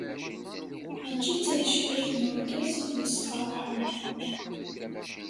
Mačči d tagecrirt n urgaz i t-issefraḥen.